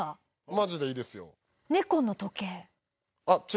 マジでいいですよ。